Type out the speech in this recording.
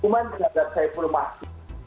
cuman dianggap saya peremasi